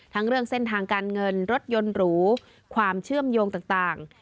เรื่องเส้นทางการเงินรถยนต์หรูความเชื่อมโยงต่าง